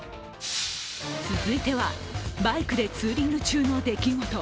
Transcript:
続いてはバイクでツーリング中の出来事。